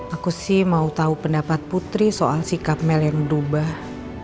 aku sih mau tahu pendapat putri soal sikap mel yang berubah